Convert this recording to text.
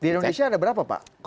di indonesia ada berapa pak